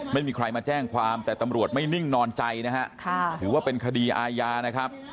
ไม่มีใครมาแจ้งความแต่ตำรวจไม่นิ่งนอนใจนะฮะถือว่าเป็นคดีอาญานะครับ